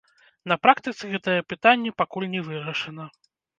На практыцы гэтае пытанне пакуль не вырашана.